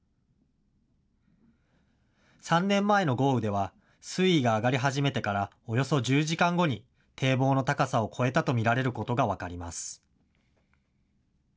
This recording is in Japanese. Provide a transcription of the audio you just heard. ３年前の豪雨では水位が上がり始めてからおよそ１０時間後に堤防の高さを越えたと見られることが分かります。